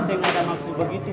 saya ngadang aksi begitu